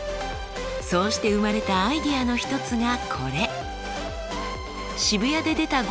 そうして生まれたアイデアの一つがこれ。